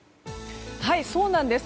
そうなんです。